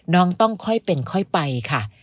น้องต้องค่อยเป็นค่อยไปค่ะ